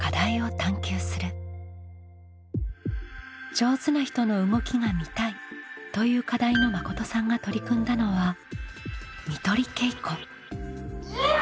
「上手な人の動きが見たい」という課題のまことさんが取り組んだのはやっ！